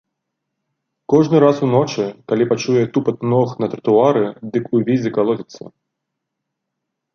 Кожны раз уночы, калі пачуе тупат ног на тратуары, дык увесь закалоціцца.